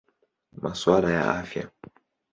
Masuala ya Afya.